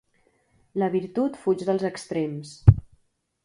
La virtut fuig dels extrems.